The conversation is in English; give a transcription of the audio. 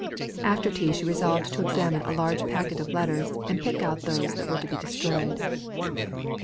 After tea she resolved to examine a large packet of letters, and pick out those that were to be destroyed.